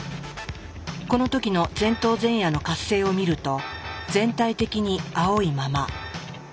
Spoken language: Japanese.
この時の前頭前野の活性を見ると全体的に青いまま。